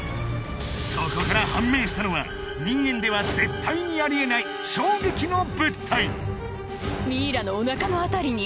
そこから判明したのは人間では絶対にありえない衝撃の物体わあ